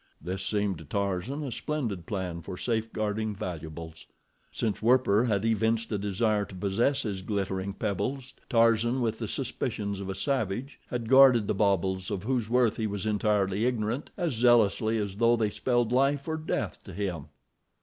This seemed to Tarzan a splendid plan for safeguarding valuables. Since Werper had evinced a desire to possess his glittering pebbles, Tarzan, with the suspicions of a savage, had guarded the baubles, of whose worth he was entirely ignorant, as zealously as though they spelled life or death to him.